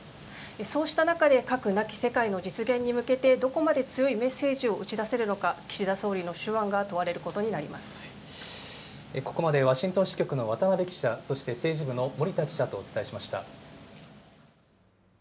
そうした中で、核なき世界の実現に向けて、どこまで強いメッセージを打ち出せるのか、岸田総理のここまでワシントン支局の渡辺記者、そして政治部の森田記者とお伝えしました。